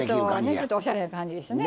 ちょっとおしゃれな感じですね。